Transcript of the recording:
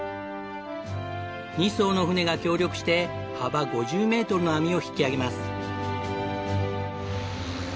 ２艘の船が協力して幅５０メートルの網を引き揚げます。